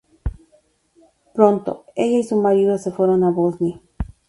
Pronto, ella y su marido se fueron a Bosnia.